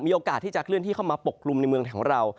มีโอกาสที่จะเคลื่อนที่เข้ามาปกกลุ่มในเมืองของเรา